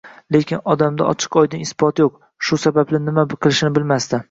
Lekin odamda ochiq-oydin isbot yoʻq, shu sababli nima qilishini bilmasdi